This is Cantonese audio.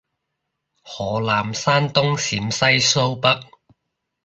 河南山東陝西蘇北